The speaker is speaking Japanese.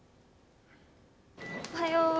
おはよう。